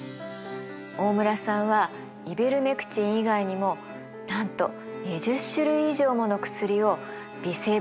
大村さんはイベルメクチン以外にもなんと２０種類以上もの薬を微生物から見つけたんだそうです。